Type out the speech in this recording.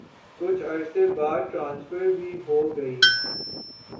کچھ عرصے بعد ٹرانسفر بھی ہو گئی۔